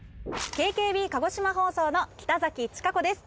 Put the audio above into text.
ＫＫＢ鹿児島放送の北千香子です。